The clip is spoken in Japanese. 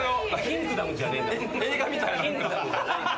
映画みたい何か。